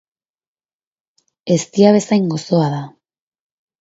Eztia bezain gozoa da.